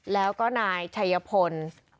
แล้วก็นายชัยพล